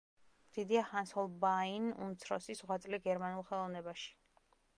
დიდია ჰანს ჰოლბაინ უმცროსის ღვაწლი გერმანულ ხელოვნებაში.